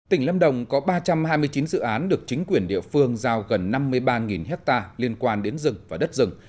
tỉnh lâm đồng có ba trăm hai mươi chín dự án được chính quyền địa phương giao gần năm mươi ba hectare liên quan đến rừng và đất rừng